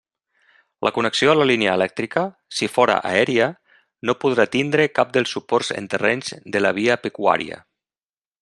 La connexió a la línia elèctrica, si fóra aèria, no podrà tindre cap dels suports en terrenys de la via pecuària.